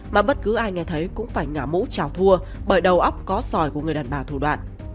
mà bất cứ ai nghe thấy cũng phải ngả mũ trào thua bởi đầu óc có sòi của người đàn bà thủ đoạn